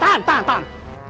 tahan tahan tahan